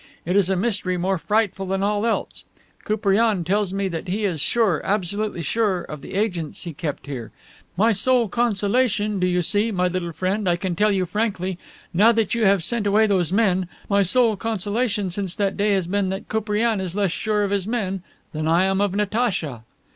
It is a mystery more frightful than all else. Koupriane tells me that he is sure, absolutely sure, of the agents he kept here; my sole consolation, do you see, my little friend can tell you frankly, now that you have sent away those men my sole consolation since that day has been that Koupriane is less sure of his men than I am of Natacha."